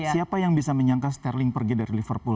siapa yang bisa menyangka sterling pergi dari liverpool